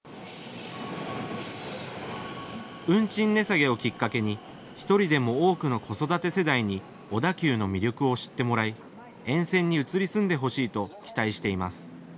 運賃値下げをきっかけに１人でも多くの子育て世代に小田急の魅力を知ってもらい沿線に移り住んでほしいと期待しています。